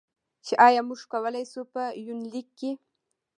چې ایا موږ کولی شو، په یونلیک کې.